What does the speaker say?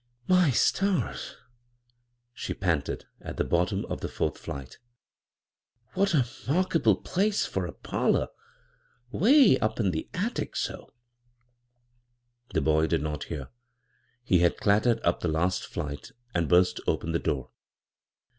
" My stars I " she panted at the bottom of the fourth flight. " What a 'markable place for a parlor — 'way up in the attic so 1 " The boy did not hear. He had clattered up the last flight and burst open the door.